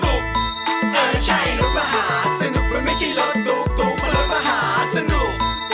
เออใช่รถประหาสนุกมันไม่ใช่รถตุ๊กตุ๊กมันรถประหาสนุก